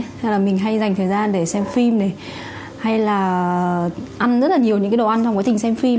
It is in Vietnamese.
thế là mình hay dành thời gian để xem phim này hay là ăn rất là nhiều những cái đồ ăn trong quá trình xem phim